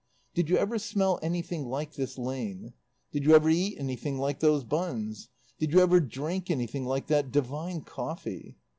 "Did you ever smell anything like this lane? Did you ever eat anything like these buns? Did you ever drink anything like that divine coffee?